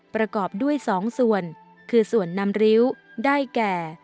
ประกอบด้วย๒ส่วนคือส่วนนำริ้วได้แก่